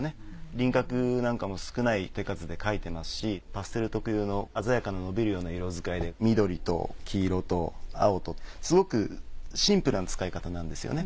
輪郭なんかも少ない手数で描いてますしパステル特有の鮮やかな伸びるような色遣いで緑と黄色と青とすごくシンプルな使い方なんですよね。